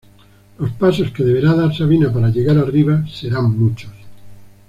Los pasos que deberá dar Sabina para llegar arriba serán muchos.